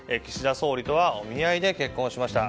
総理とはお見合いで結婚しました。